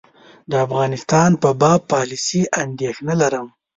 د افغانستان په باب پالیسي اندېښنه لرم.